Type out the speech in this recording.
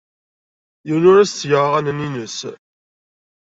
Yiwen ur as-ttgeɣ aɣanen-nnes.